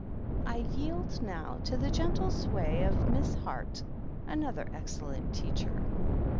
I yield now to the gentle sway of Miss Heart, another excellent teacher."